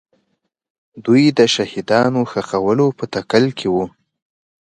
دوی د شهیدانو ښخولو په تکل کې وو.